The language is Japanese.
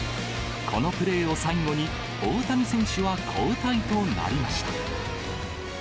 このプレーを最後に、大谷選手は交代となりました。